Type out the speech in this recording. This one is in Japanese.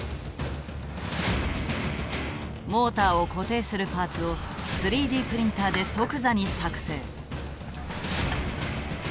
モーターを固定するパーツを３Ｄプリンターで即座に作製。